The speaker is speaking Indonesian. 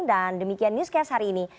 dan demikian newscast hari ini